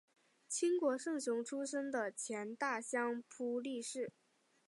清国胜雄出身的前大相扑力士。